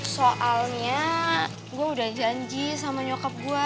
soalnya gue udah janji sama nyokap gue